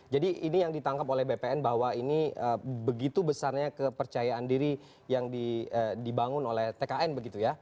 jadi ini yang ditangkap oleh bpn bahwa ini begitu besarnya kepercayaan diri yang dibangun oleh tkn begitu ya